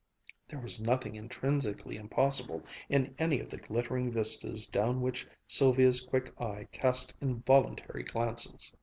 There was nothing intrinsically impossible in any of the glittering vistas down which Sylvia's quick eye cast involuntary glances.